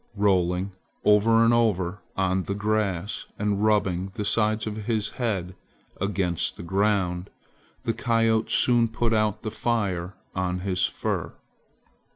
Rolling over and over on the grass and rubbing the sides of his head against the ground, the coyote soon put out the fire on his fur.